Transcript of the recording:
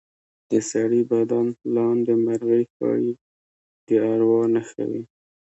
د سړي بدن لاندې مرغۍ ښایي د اروا نښه وي.